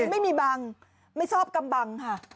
ไม่มีบังไม่ชอบกำบังค่ะ